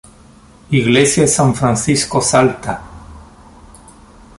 Iglesia San Francisco Salta